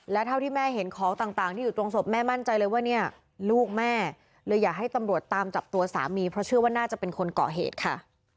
และเท่าที่แม่เห็นของต่างที่อยู่ตรงศพแม่มั่นใจเลยว่าเนี่ยลูกแม่เลยอยากให้ตำรวจตามจับตัวสามีเพราะเชื่อว่าน่าจะเป็นคนเกาะเหตุค่ะ